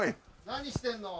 何してんの？